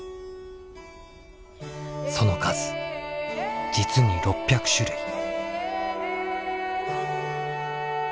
その数実に６００種類。